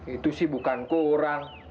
itu sih bukan kurang